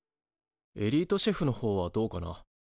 エリートシェフのほうはどうかな？